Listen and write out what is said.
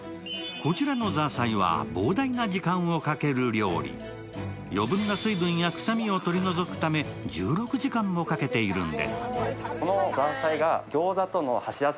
こちらの搾菜は膨大な時間をかける料理余分な水分や臭みを取り除くため１６時間もかけているんですそして